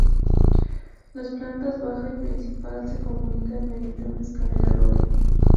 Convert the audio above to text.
Las plantas, baja y principal, se comunican mediante una escalera doble.